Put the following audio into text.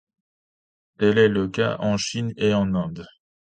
Tel est le cas en Chine et en Inde.